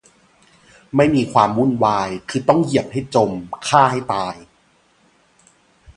ไม่มีความวุ่นวาย คือต้องเหยียบให้จม ฆ่าให้ตาย